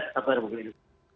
ketentuan dengan kemampuan